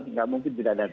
tidak mungkin tidak datang